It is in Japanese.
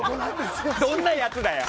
どんなやつだよ！